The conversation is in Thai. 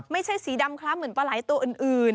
ไม่ใช่สีดำครับเหมือนปลาไหลตัวอื่น